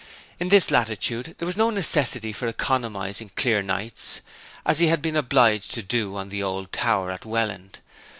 In this latitude there was no necessity for economizing clear nights as he had been obliged to do on the old tower at Welland.